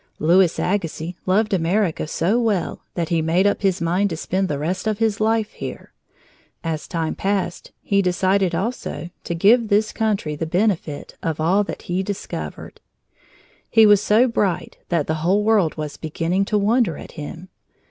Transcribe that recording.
Louis Agassiz loved America so well that he made up his mind to spend the rest of his life here. As time passed, he decided, also, to give this country the benefit of all that he discovered. He was so bright that the whole world was beginning to wonder at him.